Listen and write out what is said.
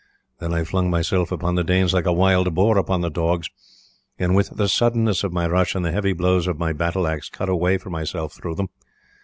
Then I flung myself upon the Danes like a wild boar upon the dogs, and with the suddenness of my rush and the heavy blows of my battle axe cut a way for myself through them.